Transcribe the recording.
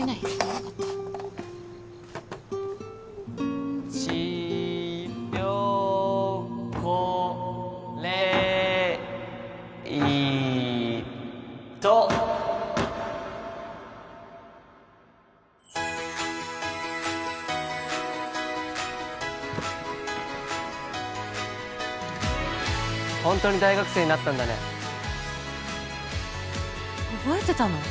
なかったチ・ヨ・コ・レ・イ・トホントに大学生になったんだね覚えてたの？